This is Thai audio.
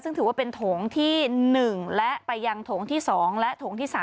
ซึ่งถือว่าเป็นโถงที่๑และไปยังโถงที่๒และโถงที่๓